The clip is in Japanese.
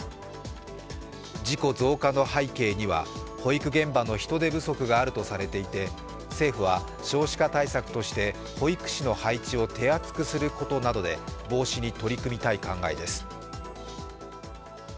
事故増加の背景には保育現場の人手不足があるとされていて政府は少子化対策として保育士の配置を手厚くすることなどで防止に取り組みたい考えです。